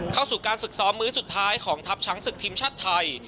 เข้าสู่การฝึกซ้อมมื้อสุดท้ายของทัพช้างศึกทีมชาติไทย